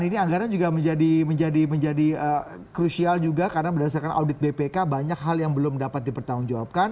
ini anggaran juga menjadi krusial juga karena berdasarkan audit bpk banyak hal yang belum dapat dipertanggungjawabkan